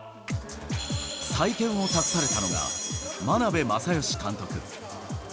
再建を託されたのが、眞鍋政義監督。